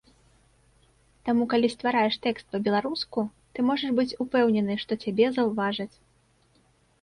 Таму калі ствараеш тэкст па-беларуску, ты можаш быць упэўнены, што цябе заўважаць.